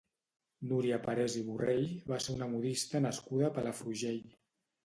Núria Parés i Borrell va ser una modista nascuda a Palafrugell.